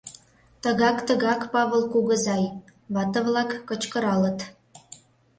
— Тыгак-тыгак, Павыл кугызай! — вате-влак кычкыралыт.